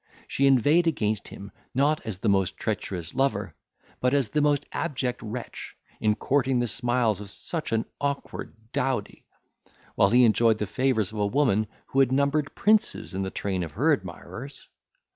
She inveighed against him, not as the most treacherous lover, but as the most abject wretch, in courting the smiles of such an awkward dowdy, while he enjoyed the favours of a woman who had numbered princes in the train of her admirers.